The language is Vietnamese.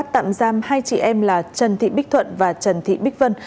tạm giam hai chị em là trần thị bích thuận và trần thị bích vân